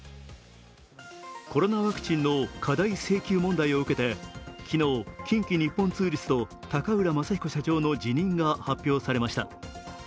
コロナワクチンの過大請求問題を受けて、昨日、近畿日本ツーリスト、高浦雅彦社長の辞任が発表されました。